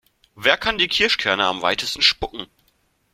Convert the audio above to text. Wer kann die Kirschkerne am weitesten spucken?